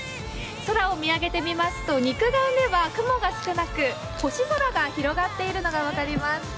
空を見上げてみますと、肉眼では雲が少なく、星空が広がっているのが分かります。